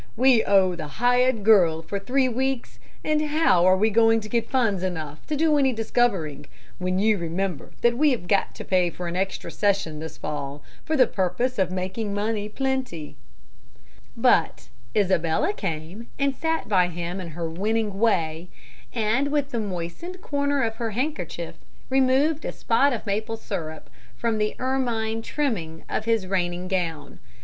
We owe the hired girl for three weeks; and how are we going to get funds enough to do any discovering, when you remember that we have got to pay for an extra session this fall for the purpose of making money plenty?" [Illustration: COLUMBUS AT COURT.] But Isabella came and sat by him in her winning way, and with the moistened corner of her handkerchief removed a spot of maple syrup from the ermine trimming of his reigning gown.